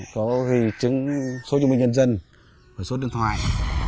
có ghi chứng số chung minh nhân dân và số điện thoại